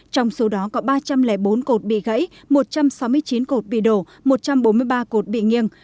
trong số đó có ba trăm linh bốn cột bị gãy một trăm sáu mươi chín cột bị đổ một trăm bốn mươi ba cột bị nghiêng